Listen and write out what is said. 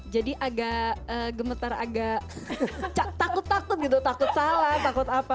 agak gemetar agak takut takut gitu takut salah takut apa